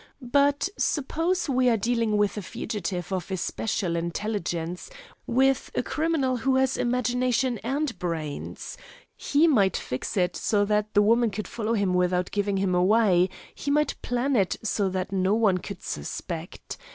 But suppose we are dealing with a fugitive of especial intelligence, with a criminal who has imagination and brains? He might fix it so that the woman could follow him without giving him away, he might plan it so that no one would suspect.